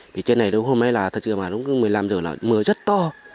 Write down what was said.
thì trên này đúng hôm nay là thật sự là đúng một mươi năm giờ là mưa rất to